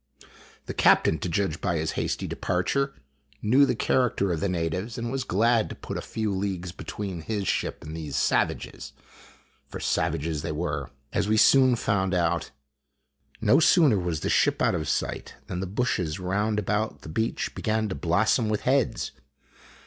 The captain, to judge by his hasty departure, knew the character of the natives and was glad to put a few leagues between his ship and these savages. For savages they were, as we soon found out. No sooner was the ship out of sight than the bushes round about the beach began to blossom with heads.